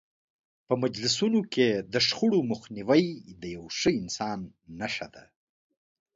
په مجلسونو کې د شخړو مخنیوی د یو ښه انسان نښه ده.